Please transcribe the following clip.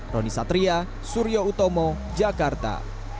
roni satria suryo utomo jakarta